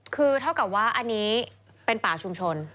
คือเท่ากับว่าอันนี้เป็นป่าชุมชน